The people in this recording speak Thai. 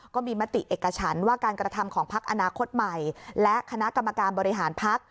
ก็มีมติเอกฉันว่าการกระทำของพักอนาคตใหม่และคณะกรรมการบริหารพัก